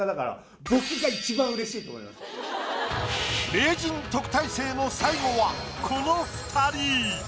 名人・特待生の最後はこの２人。